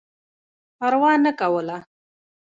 پروا نه کوله.